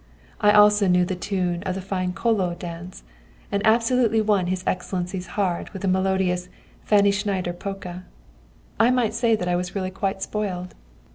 I also knew the tune of the fine 'Kolo' dance, and absolutely won his Excellency's heart with the melodious 'Fanny Schneider' polka. I might say that I was really quite spoiled.